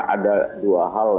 ada dua hal